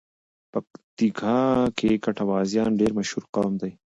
پکیتیکا کې ګټوازیان ډېر مشهور قوم دی.